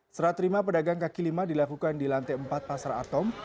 serah terima pedagang kaki lima dilakukan di lantai empat pasar atom